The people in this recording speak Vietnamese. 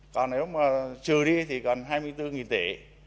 còn nếu mà trừ đi thì gần hai mươi bốn tỷ